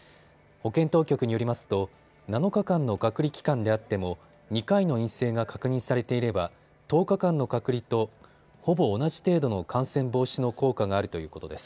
保健当局によりますと７日間の隔離期間であっても２回の陰性が確認されていれば１０日間の隔離とほぼ同じ程度の感染防止の効果があるということです。